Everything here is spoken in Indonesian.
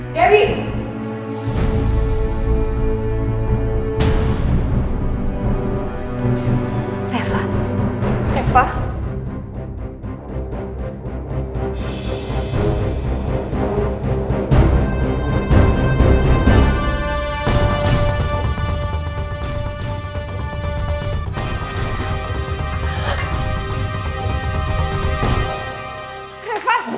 terima kasih mama sudah harus dewi